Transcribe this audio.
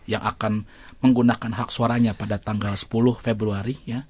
yang akan menggunakan hak suaranya pada tanggal sepuluh februari